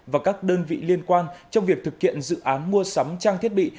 và các đơn vị liên quan trong việc thực hiện dự án mua sắm trang thiết bị